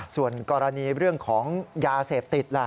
ส่วนกรณีเรื่องของยาเสพติดล่ะ